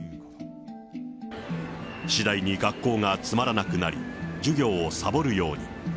次第に学校がつまらなくなり、授業をさぼるように。